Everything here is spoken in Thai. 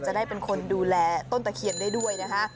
จะได้เป็นคนดูแลต้นตะเคียนได้ด้วยนะคะ